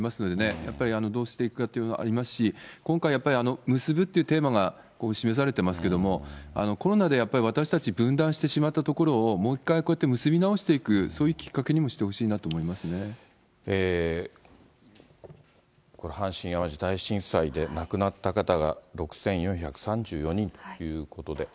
やっぱりどうしていくかっていうのもありますし、今回、むすぶというテーマが示されてますけれども、コロナでやっぱり私たち、分断してしまったところをもう一回、こうやって結び直していく、そういうきっかけにもしてほしいなとこれ、阪神・淡路大震災で亡くなった方が６４３４人ということで。